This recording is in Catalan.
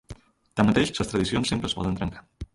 Tanmateix, les tradicions sempre es poden trencar.